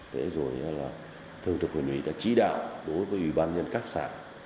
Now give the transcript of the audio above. để rồi là thường trực huyện huyện đã chỉ đạo đối với ủy ban nhân các sản